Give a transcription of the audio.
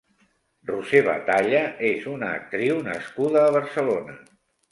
Roser Batalla és una actriu nascuda a Barcelona.